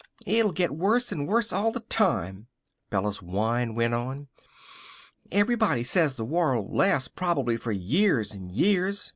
"It'll get worse an' worse all the time," Bella's whine went on. "Everybody says the war'll last prob'ly for years an' years.